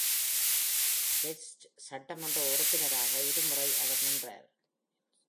Welsh சட்டமன்ற உறுப்பினராக இரு முறை அவர் நின்றார்.